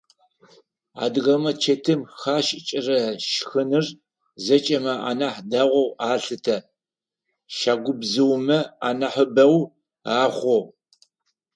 Адыгэмэ чэтым хашӏыкӏырэ шхыныр зэкӏэми анахь дэгъоу алъытэ, щагубзыумэ анахьыбэу ахъу.